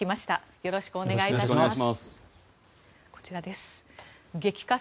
よろしくお願いします。